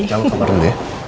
jalur kamar dulu ya